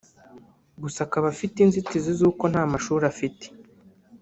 gusa akaba afite inzitizi z’uko nta mashuri afite